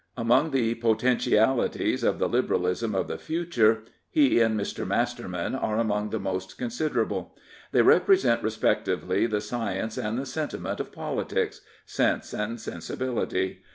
Among the potentialities of the Liberalism of the future he and Mr. Masterman are among the most considerable. They represent respectively the science and the sentiment of politics — sense and sensibility.